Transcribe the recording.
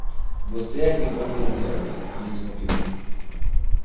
"Você é quem pode morrer?", disse o alquimista.